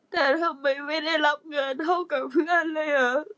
แต่ทำไมไม่ได้รับเงินเท่ากับเพื่อนเลยเหรอ